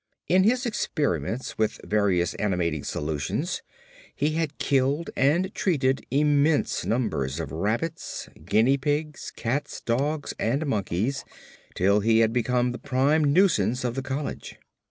In his experiments with various animating solutions he had killed and treated immense numbers of rabbits, guinea pigs, cats, dogs, and monkeys, till he had become the prime nuisance of the college.